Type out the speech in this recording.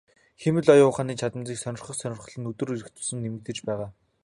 Хиймэл оюун ухааны чадамжийг сонирхох сонирхол өдөр ирэх тусам нэмэгдэж байгаа.